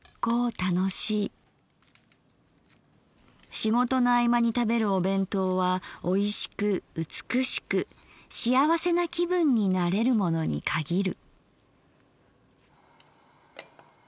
仕事の合間に食べるお弁当は美味しく美しくしあわせな気分になれるものに限る」。